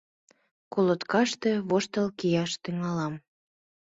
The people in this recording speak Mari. — Колоткаште воштыл кияш тӱҥалам...